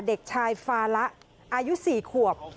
เด็กชายฟาละอายุ๔ขวบ